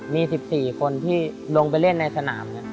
แบบมี๑๔คนที่ลงไปเล่นในสนามเนี่ย